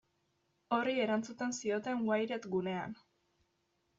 Horri erantzun zioten Wired gunean.